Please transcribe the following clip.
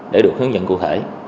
để được hướng dẫn cụ thể